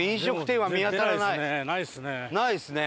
ないですね。